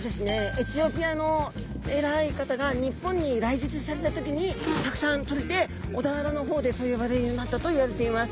エチオピアの偉い方が日本に来日された時にたくさんとれて小田原の方でそう呼ばれるようになったといわれています。